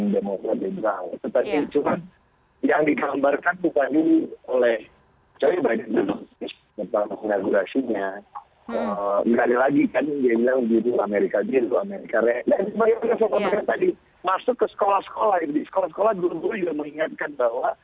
bahwa dulu dulu juga mengingatkan bahwa